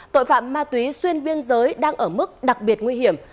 tội phạm ma túy xuyên biên giới đang ở mức đặc biệt nguy hiểm